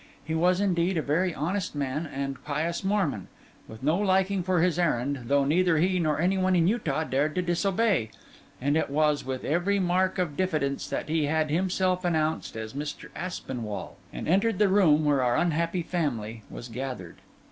He was, indeed, a very honest man and pious Mormon; with no liking for his errand, though neither he nor any one in Utah dared to disobey; and it was with every mark of diffidence that he had had himself announced as Mr. Aspinwall, and entered the room where our unhappy family was gathered.